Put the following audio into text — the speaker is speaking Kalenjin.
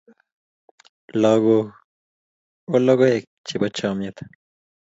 lagok ko logoek chebo chamiet.